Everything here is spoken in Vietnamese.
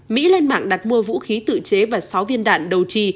mỹ lên mạng đặt mua vũ khí tự chế và sáu viên đạn đầu trì